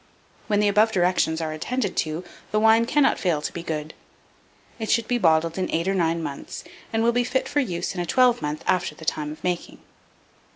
When the above directions are attended to, the wine cannot fail to be good. It should be bottled in 8 or 9 months, and will be fit for use in a twelve month after the time of making.